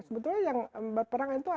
sebetulnya yang berperang itu